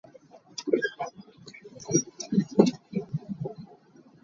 They are also associated with other members of the plant family Myrtaceae.